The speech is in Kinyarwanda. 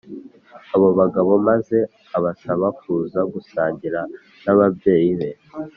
Abo bagabo maze abasaba kuza gusangira n ababyeyi be